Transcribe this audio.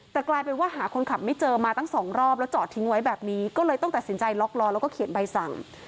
แต่กลายเป็นว่าหาคนขับไม่เจอมาตั้งสองรอบแล้วจอดทิ้งไว้แบบนี้ก็เลยต้องตัดสินใจล็อกล้อแล้วก็เขียนใบสั่ง